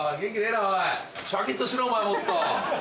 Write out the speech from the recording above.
シャキっとしろお前もっと。